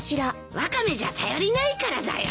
ワカメじゃ頼りないからだよ。